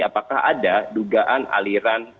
apakah ada dugaan aliran